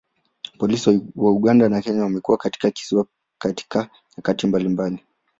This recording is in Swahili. Polisi wa Uganda na Kenya wamekuwa katika kisiwa katika nyakati mbalimbali.